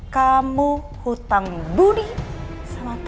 kamu hutang buni sama tante